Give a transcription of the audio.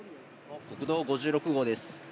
国道５６号です。